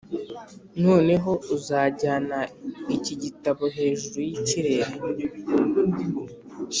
noneho uzajyana iki gitabo hejuru yikirere,